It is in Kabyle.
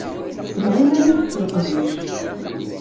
Tenɣa iman-is s leqdic.